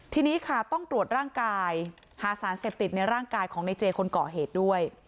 ทีนี้ค่ะต้องตรวจร่างกายหาสารเสพติดในร่างกายของในเจคนก่อเหตุด้วย